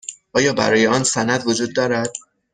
آیا برای آن سند وجود دارد؟